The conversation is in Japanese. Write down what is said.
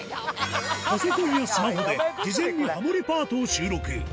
パソコンやスマホで事前にハモりパートを収録。